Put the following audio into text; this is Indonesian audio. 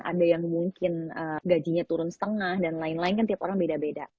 ada yang mungkin gajinya turun setengah dan lain lain kan tiap orang beda beda